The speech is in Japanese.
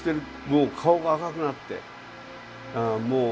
もう顔が赤くなってうん